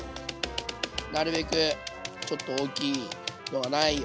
なるべくちょっと大きいのがないように均一に。